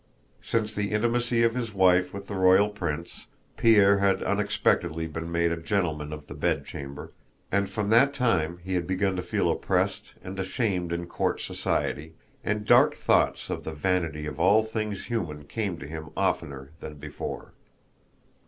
Since the intimacy of his wife with the royal prince, Pierre had unexpectedly been made a gentleman of the bedchamber, and from that time he had begun to feel oppressed and ashamed in court society, and dark thoughts of the vanity of all things human came to him oftener than before.